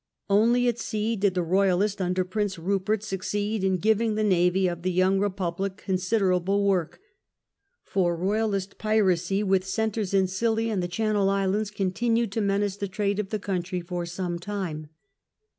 Only at sea did the Royalists under Prince Rupert succeed in giving the navy of the young Republic considerable work; for Royalist piracy, with centres in Scilly and the Channel Islands, continued to menace the trade of the country for some time.